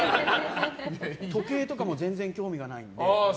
時計とかも全然興味がないので。